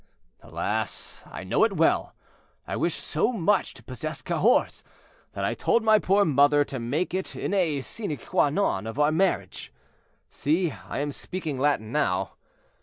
"Alas! I know it well. I wished so much to possess Cahors, that I told my poor mother to make it a sine quâ non of our marriage. See, I am speaking Latin now.